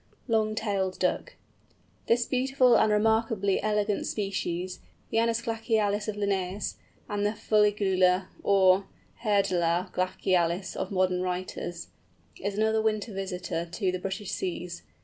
LONG TAILED DUCK. This beautiful and remarkably elegant species, the Anas glacialis of Linnæus, and the Fuligula or Harelda glacialis of modern writers, is another winter visitor to the British seas.